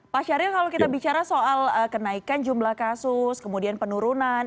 pak syahril kalau kita bicara soal kenaikan jumlah kasus kemudian penurunan